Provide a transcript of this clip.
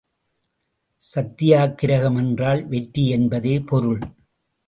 சத்தியாக்கிரகம் என்றால் வெற்றி என்பதே பொருள்.